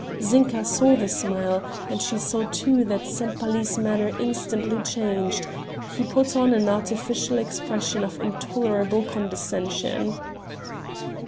Zinka saw the smile, and she saw too that Sempaly's manner instantly changed; he put on an artificial expression of intolerable condescension.